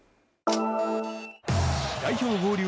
代表合流